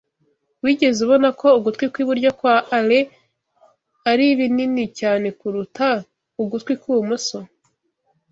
Wigeze ubona ko ugutwi kw'iburyo kwa Alain ari binini cyane kuruta ugutwi kw'ibumoso?